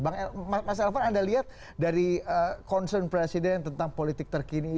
bang mas elvan anda lihat dari concern presiden tentang politik terkini